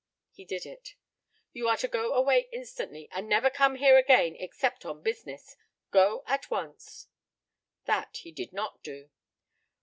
He did it. "You are to go away instantly, and never come here again except on business. Go at once." That he did not do.